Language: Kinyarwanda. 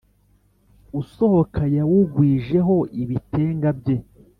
Usohoka yawugwijeho ibitenga bye